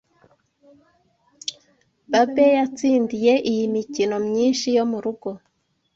Babe yatsindiye iyi mikino myinshi yo murugo,